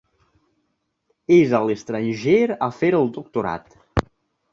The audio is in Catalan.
És a l'estranger a fer el doctorat.